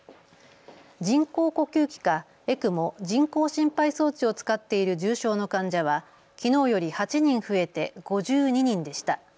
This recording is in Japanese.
人工呼吸器かＥＣＭＯ・人工心肺装置を使っている重症の患者はきのうより８人増えて５２人でした。